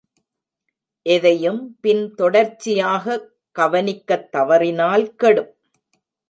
எதையும் பின் தொடர்ச்சியாகக் கவனிக்கத் தவறினால் கெடும்.